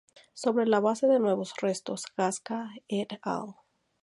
Sobre la base de nuevos restos, Gasca et al.